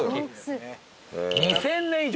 ２，０００年以上？